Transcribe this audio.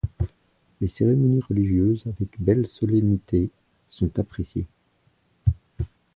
Les cérémonies religieuses avec belles solennités sont appréciées.